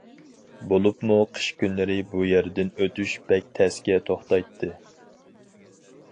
بولۇپمۇ قىش كۈنلىرى بۇ يەردىن ئۆتۈش بەك تەسكە توختايتتى.